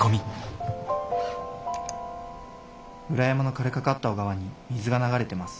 「裏山の枯れかかった小川に水が流れてます！